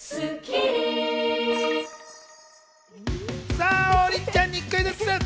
さぁ、王林ちゃんにクイズッス！